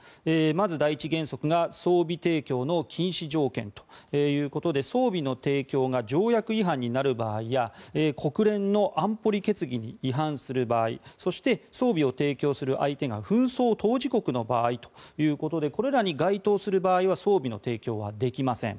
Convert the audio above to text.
まず第１原則が装備提供の禁止条件ということで装備の提供が条約違反になる場合や国連の安保理決議に違反する場合そして、装備を提供する相手が紛争当事国の場合ということでこれらに該当する場合は装備の提供はできません。